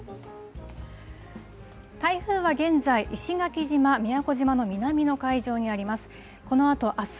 台風は現在、石垣島、宮古島の南の海上にあります。